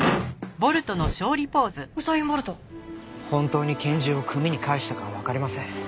本当に拳銃を組に返したかはわかりません。